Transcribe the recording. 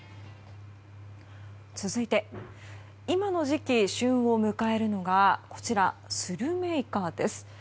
続いて今の時期、旬を迎えるのがこちら、スルメイカです。